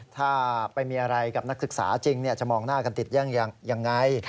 ถ้าไปมีอะไรกับนักศึกษาจริงจะมองหน้ากันติดยังไง